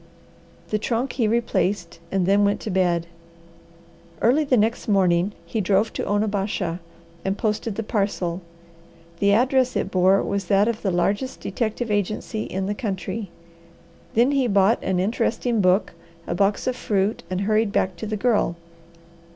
The trunk he replaced and then went to bed. Early the next morning he drove to Onabasha and posted the parcel. The address it bore was that of the largest detective agency in the country. Then he bought an interesting book, a box of fruit, and hurried back to the Girl.